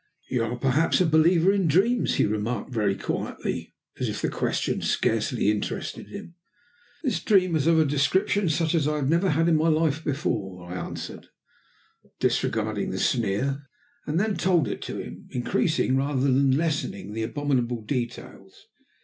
"You are perhaps a believer in dreams?" he remarked very quietly, as if the question scarcely interested him. "This dream was of a description such as I have never had in my life before," I answered, disregarding the sneer, and then told it to him, increasing rather than lessening the abominable details.